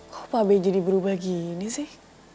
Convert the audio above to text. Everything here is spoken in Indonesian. kok pak be jadi berubah gini sih